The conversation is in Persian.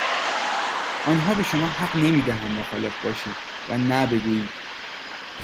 آنها به شما حق نمی دهند مخالف باشید ،و نه بگویید.